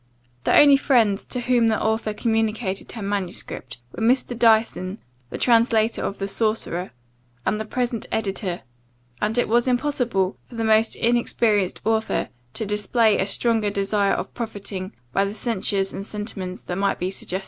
* The only friends to whom the author communicated her manuscript, were Mr. Dyson, the translator of the Sorcerer, and the present editor; and it was impossible for the most inexperienced author to display a stronger desire of profiting by the censures and sentiments that might be suggested.